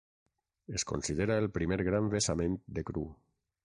Es considera el primer gran vessament de cru.